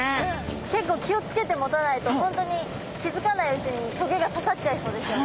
結構気を付けて持たないと本当に気付かないうちに棘がささっちゃいそうですよね。